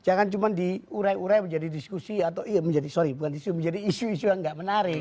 jangan cuma diurai urai menjadi diskusi atau iya menjadi sorry bukan diskusi menjadi isu isu yang nggak menarik